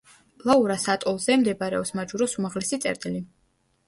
ლაურას ატოლზე მდებარეობს მაჯუროს უმაღლესი წერტილი.